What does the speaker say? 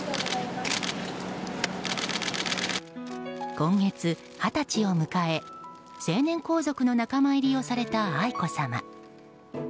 今月、二十歳を迎え成年皇族の仲間入りをされた愛子さま。